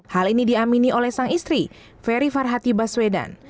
hal ini diamini oleh sang istri ferry farhati baswedan